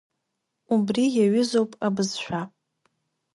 Убри иаҩызоуп абызшәа.